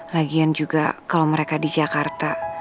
lagian juga kalau mereka di jakarta